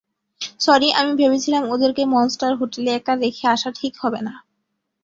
Sorry, আমি ভেবেছিলাম ওদেরকে মনস্টার হোটেলে একা রেখে আসা ঠিক হবে না।